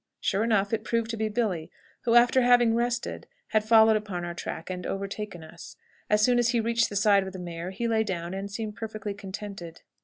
Sure enough, it proved to be Billy, who, after having rested, had followed upon our track and overtaken us. As soon as he reached the side of the mare he lay down and seemed perfectly contented.